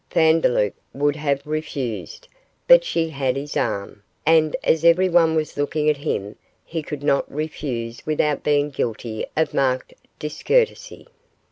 Vandeloup would have refused, but she had his arm, and as everyone was looking at him, he could not refuse without being guilty of marked discourtesy.